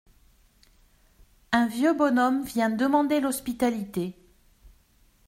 Un vieux bonhomme vient demander l'hospitalité.